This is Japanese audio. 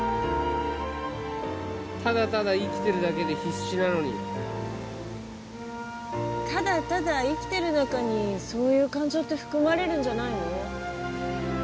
ただただ生きてるだけで必死なのにただただ生きてる中にそういう感情って含まれるんじゃないの？